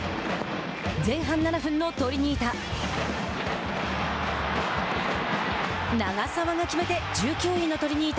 前半７分のトリニータ。